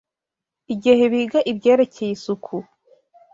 Igihe biga ibyerekeye isuku